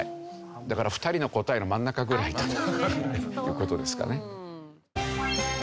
だから２人の答えの真ん中ぐらいという事ですかね。